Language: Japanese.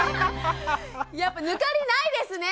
やっぱ抜かりないですね。